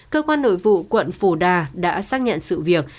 cơ quan nội vụ quận phủ đà đã xác nhận sự việc